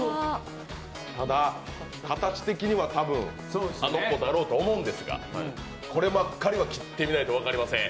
ただ形的にはたぶんあの子だろうと思うんですが、こればっかりは切ってみないと分かりません。